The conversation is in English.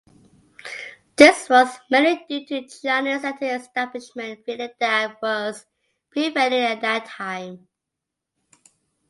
This was mainly due to Chinese anti-establishment feeling that was prevailing at that time.